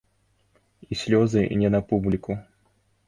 І слёзы не на публіку.